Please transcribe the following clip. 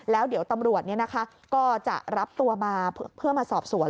แล้วเดี๋ยวตำรวจก็จะรับตัวมาเพื่อมาสอบสวน